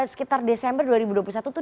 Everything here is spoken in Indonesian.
sekitar desember dua ribu dua puluh satu itu